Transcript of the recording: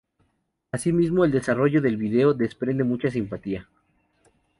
Asimismo, el desarrollo del vídeo desprende mucha simpatía.